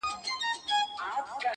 • راسه چي الهام مي د زړه ور مات كـړ،